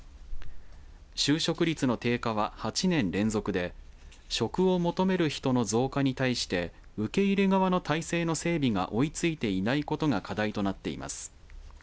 就職率の低下は、８年連続で職を求める人の増加に対して受け入れ側の体制の整備が追いついていないことが課題となっています。